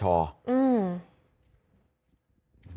อืม